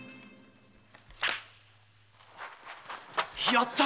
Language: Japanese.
やった！